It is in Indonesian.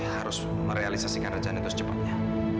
harus merealisasikan rencana itu secepatnya